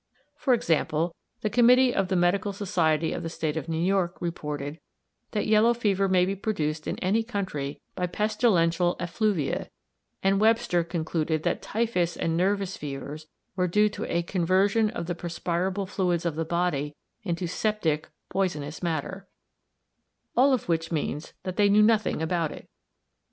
For example, the Committee of the Medical Society of the State of New York reported that yellow fever may be produced in any country by pestilential effluvia; and Webster concluded that typhus and nervous fevers were due to a "conversion of the perspirable fluids of the body into septic [poisonous] matter" all of which means that they knew nothing about it.